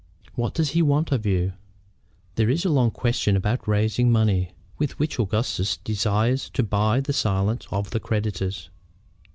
"What does he want of you?" "There is a long question about raising money with which Augustus desires to buy the silence of the creditors."